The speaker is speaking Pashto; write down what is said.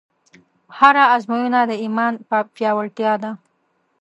هره ازموینه د ایمان پیاوړتیا ده.